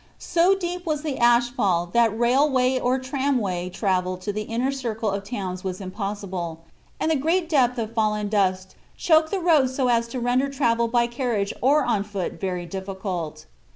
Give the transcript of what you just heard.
So deep was the ash fall that railway or tramway travel to the inner circle of towns was impossible, and the great depth of fallen dust choked the roads so as to render travel by carriage or on foot very difficult.